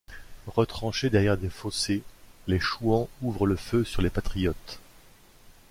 Retranchés derrière des fossés, les Chouans ouvrent le feu sur les Patriotes.